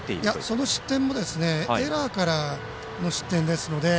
その失点もエラーからの失点ですので。